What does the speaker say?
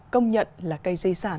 công nhận là cây